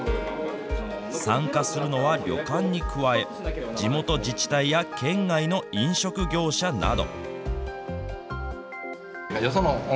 参加するのは旅館に加え、地元自治体や県外の飲食業者など。